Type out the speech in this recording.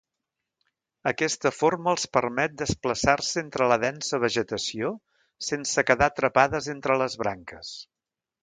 Aquesta forma els permet desplaçar-se entre la densa vegetació sense quedar atrapades entre les branques.